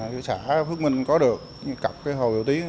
xã phước minh có được cặp hồ biểu tiến